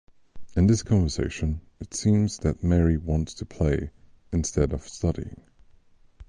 In this conversation, it seems that Mary wants to play instead of studying.